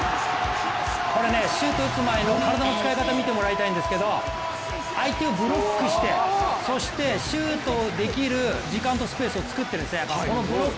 これシュート打つ前の体の使い方を見てもらいたいんだけど、相手をブロックして、そして、シュートをできる時間とスペースを作ってるんですまず、このブロック。